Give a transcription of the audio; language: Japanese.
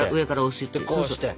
こうして。